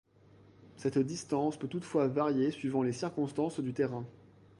Cette distance peut toutefois varier suivant les circonstances du terrain.